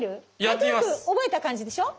何となく覚えた感じでしょ？